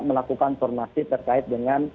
melakukan formasi terkait dengan